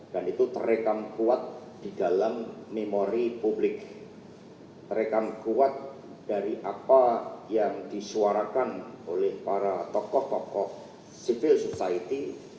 dan itu terekam kuat di dalam memori publik terekam kuat dari apa yang disuarakan oleh para tokoh tokoh civil society